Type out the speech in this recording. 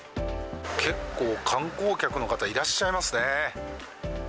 結構、観光客の方いらっしゃいますね。